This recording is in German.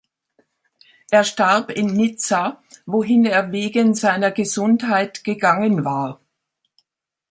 Er starb in Nizza, wohin er wegen seiner Gesundheit gegangen war.